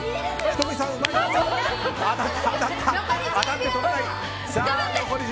仁美さん、うまい！